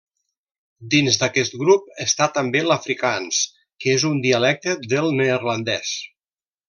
Dins d'aquest grup està també l'afrikaans, que és un dialecte del neerlandès.